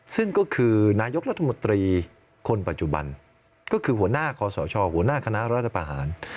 ซึ่งก็คือนายกรัฐมนตรีคนปัจจุบันก็คือหัวหน้าคอสชหัวหน้าคณะรัฐประหาร